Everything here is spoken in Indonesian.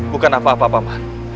bukan apa apa pak man